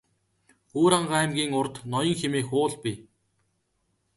Өвөрхангай аймгийн урд Ноён хэмээх уул бий.